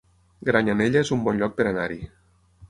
Granyanella es un bon lloc per anar-hi